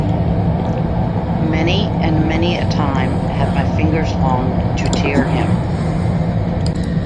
Many and many a time had my fingers longed to tear him.